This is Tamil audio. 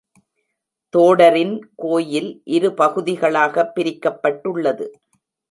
தோடரின் கோயில் இரு பகுதிகளாகப் பிரிக்கப்பட்டுள்ளது.